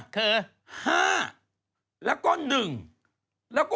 คือ๕แล้วก็๑แล้วก็